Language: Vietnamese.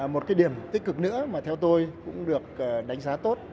một cái điểm tích cực nữa mà theo tôi cũng được đánh giá tốt